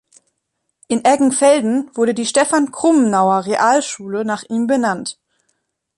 In Eggenfelden wurde die Stefan-Krumenauer-Realschule nach ihm benannt.